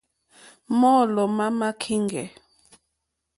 Mɔ́ɔ̌lɔ̀ má má kíŋɡɛ̀.